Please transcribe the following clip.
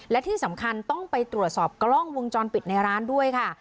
และที่สำคัญต้องไปตรวจสอบกล้องวงจรปิดในร้านด้วยค่ะ